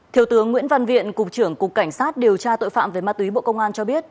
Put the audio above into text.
thiếu tướng nguyễn văn viện cục trưởng cục cảnh sát điều tra tội phạm về ma túy bộ công an cho biết